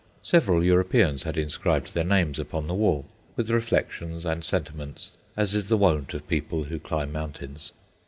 Several Europeans had inscribed their names upon the wall, with reflections and sentiments, as is the wont of people who climb mountains.